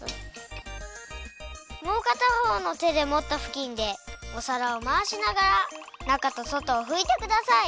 もうかたほうの手でもったふきんでお皿をまわしながら中と外をふいてください。